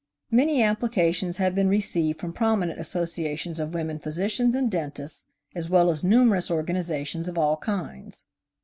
Many applications have been received from prominent associations of women physicians and dentists, as well as numerous organizations of all kinds.